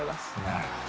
なるほど。